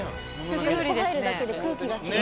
一歩入るだけで空気が違う。